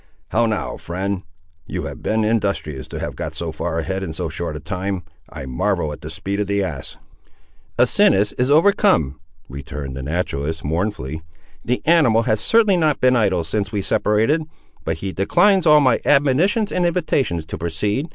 How now, friend; you have been industrious to have got so far ahead in so short a time. I marvel at the speed of the ass!" "Asinus is overcome," returned the naturalist, mournfully. "The animal has certainly not been idle since we separated, but he declines all my admonitions and invitations to proceed.